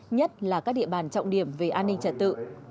nhất là các địa bàn trọng điểm về an ninh trật tự